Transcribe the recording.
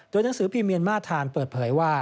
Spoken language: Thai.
หนังสือพิมพ์เมียนมาทานเปิดเผยว่า